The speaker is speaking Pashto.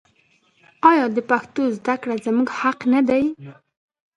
آیا د پښتو زده کړه زموږ حق نه دی؟